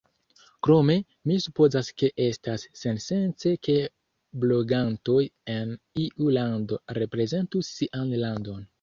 Krome, mi supozas ke estas sensence ke blogantoj en iu lando reprezentus sian landon.